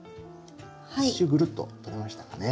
１周ぐるっと取れましたかね。